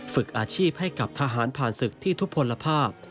ฝึกอาชีพให้กับทหารผ่านศึกที่ทุกพลภาพ